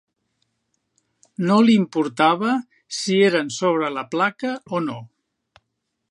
No l"importava si eren sobre la placa o no.